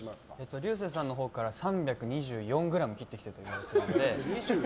竜星さんのほうから３２４ｇ切ってきてって言われてるので。